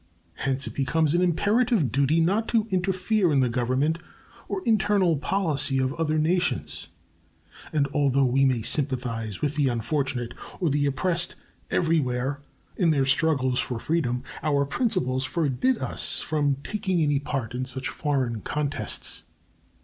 Hence it becomes an imperative duty not to interfere in the government or internal policy of other nations; and although we may sympathize with the unfortunate or the oppressed everywhere in their struggles for freedom, our principles forbid us from taking any part in such foreign contests.